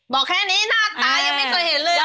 บอกแค่นี้หน้าตายังไม่เคยเห็นเลย